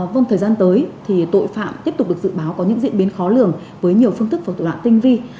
vâng thời gian tới thì tội phạm tiếp tục được dự báo có những diễn biến khó lường với nhiều phương thức thủ đoạn tinh vi